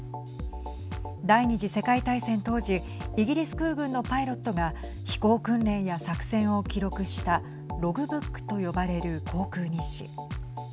第２次世界大戦当時イギリス空軍のパイロットが飛行訓練や作戦を記録したログブックと呼ばれる航空日誌。